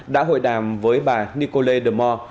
đã hội đàm với bà nicole demau